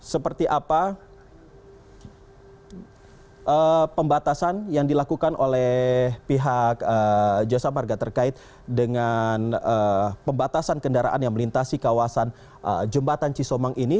seperti apa pembatasan yang dilakukan oleh pihak jasa marga terkait dengan pembatasan kendaraan yang melintasi kawasan jembatan cisomang ini